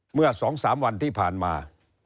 เมื่อ๒๓วันที่ผ่านมา